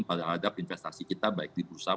terhadap investasi kita baik di bursa